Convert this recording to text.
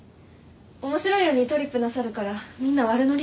面白いようにトリップなさるからみんな悪ノリしちゃって。